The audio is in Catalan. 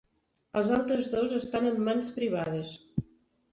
Els altres dos estan en mans privades.